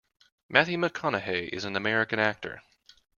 Matthew McConaughey is an American actor.